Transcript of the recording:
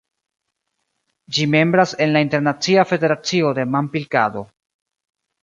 Ĝi membras en la Internacia Federacio de Manpilkado.